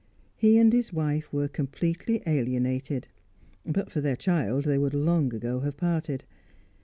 He and his wife were completely alienated; but for their child, they would long ago have parted.